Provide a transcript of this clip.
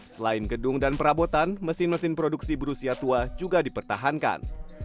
selain gedung dan perabotan mesin mesin produksi berusia tua juga dipertahankan